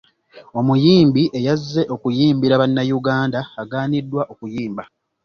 Omuyimbi eyazze okuyimbira Bannayuganda agaaniddwa okuyimba.